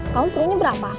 kamu perlunya berapa